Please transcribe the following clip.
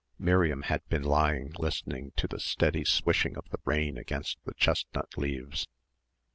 Miriam had been lying listening to the steady swishing of the rain against the chestnut leaves.